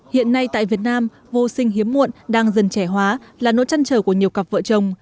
hiện nay tại việt nam vô sinh hiếm muộn đang dần trẻ hóa là nỗi chăn trở của nhiều cặp vợ chồng